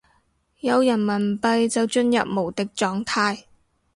有人民幣就進入無敵狀態